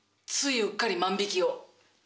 ついうっかり万引きを！